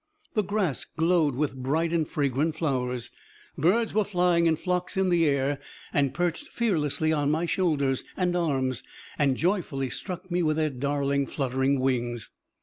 The grass glowed with bright and fragrant flowers. Birds were flying in flocks in the air, and perched fearlessly on my shoulders and arms and joyfully struck me with their darling, fluttering wings.